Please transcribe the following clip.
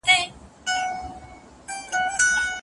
وخت پر ما ژاړي وخت له ما سره خبرې کوي